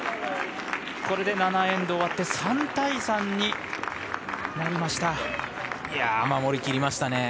これで７エンド終わって３対３になりました。